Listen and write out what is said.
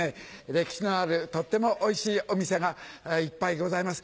歴史のあるとてもおいしいお店がいっぱいございます。